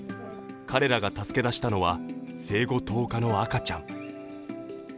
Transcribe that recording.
彼らが助け出したのは、生後１０日の赤ちゃん。